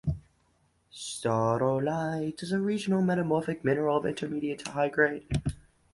Staurolite is a regional metamorphic mineral of intermediate to high grade.